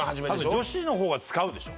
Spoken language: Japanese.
女子の方が使うでしょ。